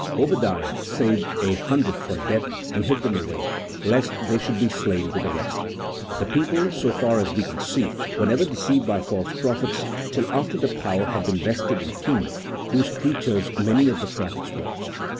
Obadiah saved a hundred from death and hid them away, lest they should be slain with the rest. The people, so far as we can see, were never deceived by false prophets till after the power had been vested in kings, whose creatures many of the prophets were.